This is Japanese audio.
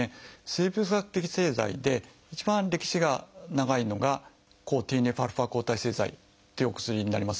生物学的製剤で一番歴史が長いのが抗ＴＮＦ−α抗体製剤というお薬になります。